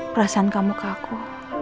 perasaan kamu ke aku